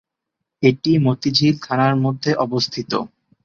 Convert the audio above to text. এটি মতিঝিল থানার মধ্যে অবস্থিত।